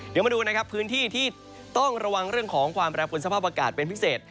เดี๋ยวมาดูนะครับพื้นที่ที่ต้องระวังเรื่องของความแปรผลสภาพอากาศเป็นพิเศษ